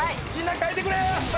書いてくれ！